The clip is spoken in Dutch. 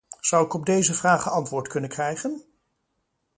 Zou ik op deze vragen antwoord kunnen krijgen?